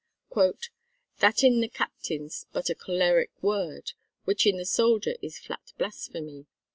"That in the Captain's but a choleric word Which in the soldier is flat blasphemy."